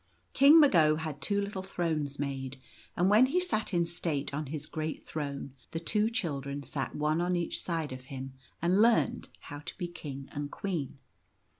King Mago had two little thrones made, and when he sat in state on his great throne the two children sat one on each side of him, and learned how to be King and Queen.